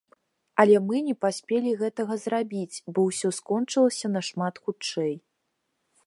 Але мы не паспелі гэтага зрабіць, бо ўсё скончылася нашмат хутчэй.